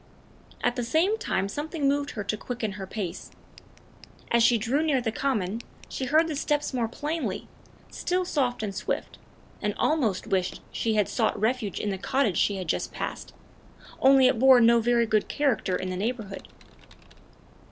At the same time something moved her to quicken her pace. As she drew near the common, she heard the steps more plainly, still soft and swift, and almost wished she had sought refuge in the cottage she had just passed only it bore no very good character in the neighborhood.